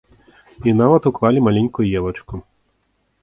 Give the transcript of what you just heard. І нават уклалі маленькую елачку.